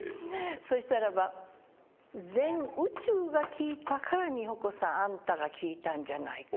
そしたらば「全宇宙が聞いたから美穂子さんあんたが聞いたんじゃないか」